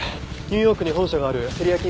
ニューヨークに本社があるテリヤ